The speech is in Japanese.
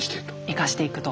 生かしていくと。